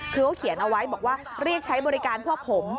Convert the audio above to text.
คือเขาเขียนเอาไว้บอกว่าเรียกใช้บริการพวกผม